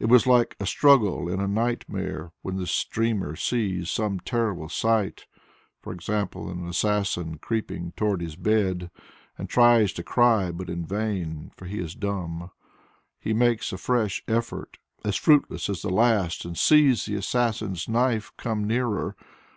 It was like a struggle in a nightmare when the dreamer sees some terrible sight, e.g., an assassin creeping towards his bed, and tries to cry but in vain, for he is dumb. He makes a fresh effort as fruitless as the last and sees the assassin's knife come nearer.